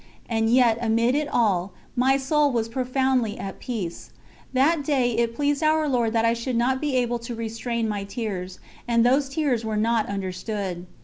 And yet amid it all, my soul was profoundly at peace. That day it pleased Our Lord that I should not be able to restrain my tears, and those tears were not understood.